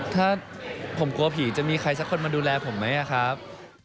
ถ้าผมกลัวผีจะมีใครสักคนมาดูแลผมไหมครับ